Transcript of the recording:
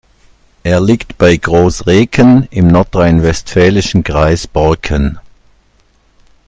Er liegt bei Groß Reken im nordrhein-westfälischen Kreis Borken.